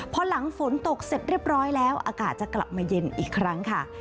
พอหลังฝนตกเสร็จเรียบร้อยแล้วอากาศจะกลับมาเย็นอีกครั้งค่ะ